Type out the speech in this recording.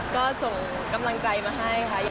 ก็ส่งกำลังใจมาให้ค่ะ